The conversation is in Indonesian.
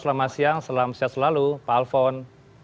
selamat siang selamat siang selalu pak alfon